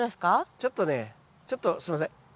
ちょっとねちょっとすいません。